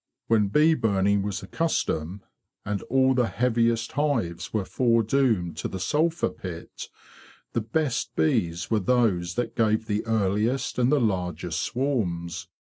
When bee burning was the custom, and all the heaviest hives were foredoomed to the sulphur pit, the best bees were those that gave the earliest and the largest swarms.